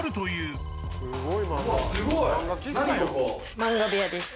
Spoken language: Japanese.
漫画部屋です。